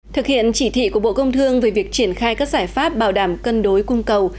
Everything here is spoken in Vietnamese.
thực hiện chỉ thị của bộ công thương về việc triển khai các giải pháp bảo đảm cân đối cung cầu